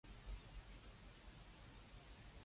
鏟到你上天花板